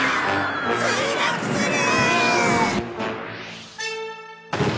墜落する！